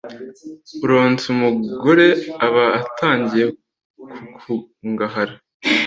uronse umugore aba atangiye gukungahara